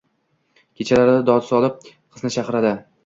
Kechalari dod solib, qizini chaqiradi